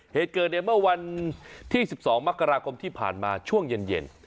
เหตุเกิดเนี้ยเมื่อวันที่สิบสองมักรากรมที่ผ่านมาช่วงเย็นเย็น